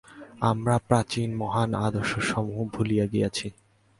আমরা প্রাচীন মহান আদর্শসমূহ ভুলিয়া গিয়াছি।